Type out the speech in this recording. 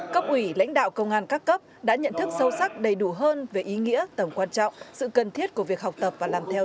cấp ủy lãnh đạo công an các cấp đã nhận thức sâu sắc đầy đủ hơn về ý nghĩa tầm quan trọng sự cần thiết của việc học tập và làm theo